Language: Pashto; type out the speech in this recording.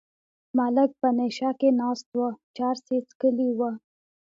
ملک په نشه کې ناست و چرس یې څکلي وو.